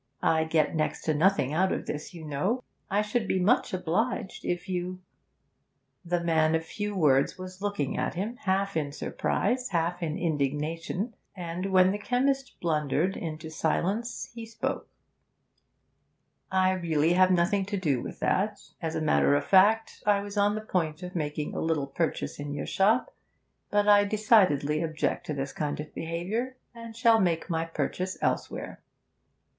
I get next to nothing out of this, you know. I should be much obliged if you ' The man of few words was looking at him, half in surprise, half in indignation, and when the chemist blundered into silence he spoke: 'I really have nothing to do with that. As a matter of fact, I was on the point of making a little purchase in your shop, but I decidedly object to this kind of behaviour, and shall make my purchase elsewhere.'